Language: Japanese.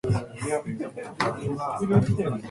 愛してるといった。